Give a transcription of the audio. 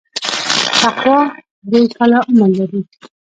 تقوا درې کاله عمر لري.